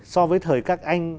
so với thời các anh